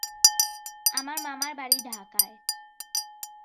আমার মামার বাড়ি ঢাকায়।